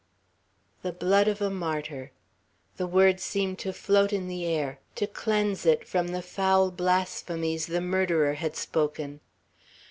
"The blood of a martyr!" The words seemed to float in the air; to cleanse it from the foul blasphemies the murderer had spoken.